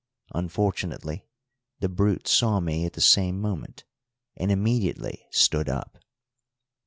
Unfortunately the brute saw me at the same moment and immediately stood up.